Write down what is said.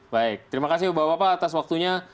baik terima kasih bapak bapak atas waktunya